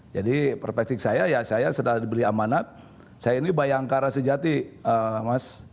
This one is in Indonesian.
jadi perspektif saya ya saya setelah dibeli amanah saya ini bayangkara sejati mas